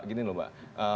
begini loh mbak